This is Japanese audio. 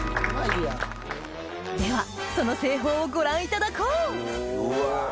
ではその製法をご覧いただこううわ！